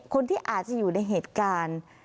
คนที่อาจจะอยู่ในเหตุการณ์